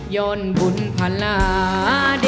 ย้อนบุญภาระเด่นอ้าวมากกว่า